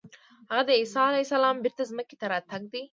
هغه د عیسی علیه السلام بېرته ځمکې ته راتګ دی.